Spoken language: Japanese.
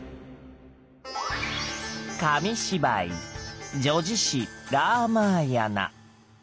紙芝居叙事詩「ラーマーヤナ」。